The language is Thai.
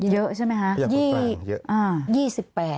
เยอะใช่ไหมคะ